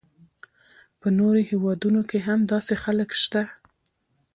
په نورو هیوادونو کې هم داسې خلک شته.